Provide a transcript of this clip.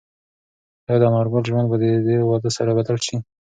ایا د انارګل ژوند به د دې واده سره بدل شي؟